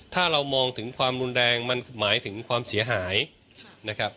ถ้าเรามองถึงความรุนแรงมันหมายถึงความเสียหายนะครับ